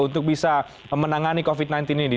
untuk bisa menangani covid sembilan belas ini